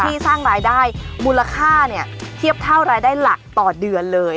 สร้างรายได้มูลค่าเนี่ยเทียบเท่ารายได้หลักต่อเดือนเลย